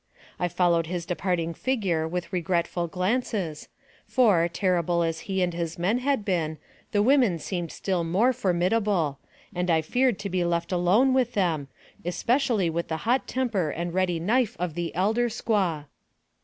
I followed his departing figure with regretful glances, for, terrible as he and his men had been, the women seemed still more formidable, and I feared to be left alone with them, especially with the hot temper and ready knife of the elder squaw.